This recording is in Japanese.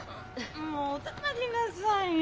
もうお黙りなさいよ